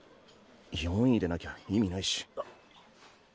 ４位でなきゃ意味ないし。